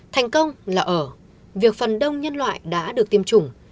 thành công là ở việc phần đông nhân loại đã được tiêm chủng